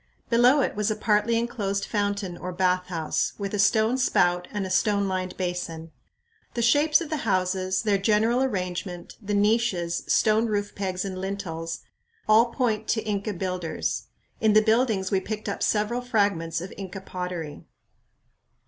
Below it was a partly enclosed fountain or bathhouse, with a stone spout and a stone lined basin. The shapes of the houses, their general arrangement, the niches, stone roof pegs and lintels, all point to Inca builders. In the buildings we picked up several fragments of Inca pottery.